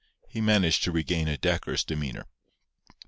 He managed to regain a decorous demeanour.